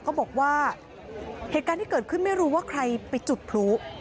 เขาบอกว่าเหตุการณ์ที่เกิดขึ้นไม่รู้ว่าใครไปจุดพลุ